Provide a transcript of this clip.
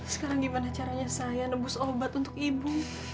sekarang gimana caranya saya nebus obat untuk ibu